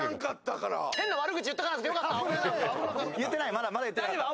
まだ言ってない？